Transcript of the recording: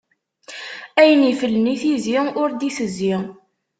Ayen iflen i tizi, ur d-itezzi.